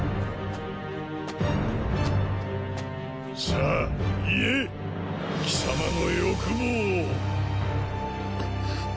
さァ言えィ貴様の“欲望”を。